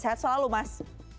sehat selalu mas